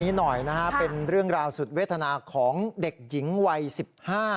นี้หน่อยนะฮะเป็นเรื่องราวสุดเวทนาของเด็กหญิงวัยสิบห้า